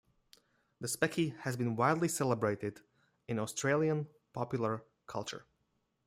The specky has been widely celebrated in Australian popular culture.